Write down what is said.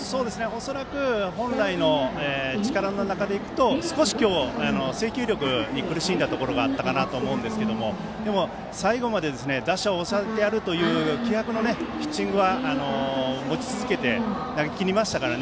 恐らく本来の力の中でいくと今日、制球力に苦しんだところがあったかと思いますが最後まで打者を抑えてやるという気迫のピッチングは持ち続けて投げきりましたから。